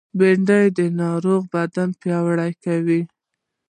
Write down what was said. بېنډۍ د ناروغ بدن پیاوړی کوي